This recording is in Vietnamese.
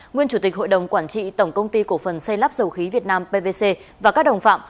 nguyên chủ tịch hội đồng quản trị tổng công ty cổ phần xây lắp dầu khí việt nam pvc và các đồng phạm